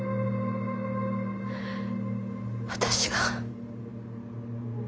私が。